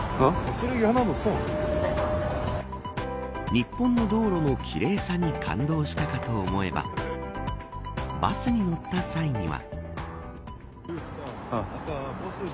日本の道路の奇麗さに感動したかと思えばバスに乗った際には。